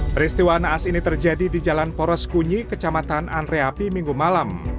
peristiwa naas ini terjadi di jalan poros kunyi kecamatan andreapi minggu malam